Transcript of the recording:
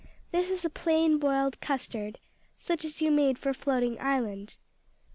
(This is a plain boiled custard, such as you made for floating island.)